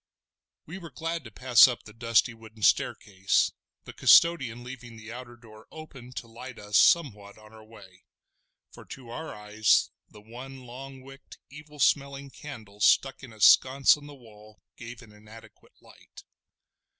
We were glad to pass up the dusty wooden staircase, the custodian leaving the outer door open to light us somewhat on our way; for to our eyes the one long wick'd, evil smelling candle stuck in a sconce on the wall gave an inadequate light.